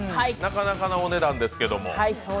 なかなかなお値段ですけれども。